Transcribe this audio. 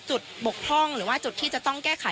บกพร่องหรือว่าจุดที่จะต้องแก้ไข